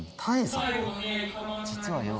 実はよ